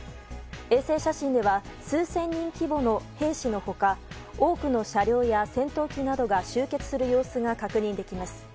衛星写真では数千人規模の兵士の他多くの車両や戦闘機などが集結する様子が確認できます。